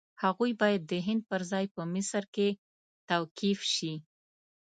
هغوی باید د هند پر ځای په مصر کې توقیف شي.